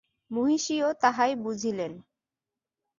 মহিষীও তাহাই বুঝিলেন।